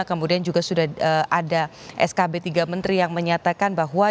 kemudian juga sudah ada skb tiga menteri yang menyatakan bahwa